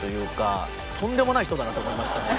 とんでもない人だなと思いましたね。